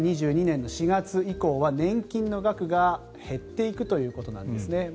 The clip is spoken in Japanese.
２０２２年の４月以降は年金の額が減っていくということなんですね。